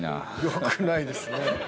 よくないですね。